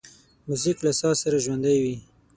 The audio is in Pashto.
موزیک له ساز سره ژوندی وي.